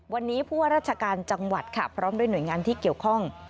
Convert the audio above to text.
วันนี้ผู้ว่าราชการจังหวัดค่ะพร้อมด้วยหน่วยงานที่เกี่ยวข้อง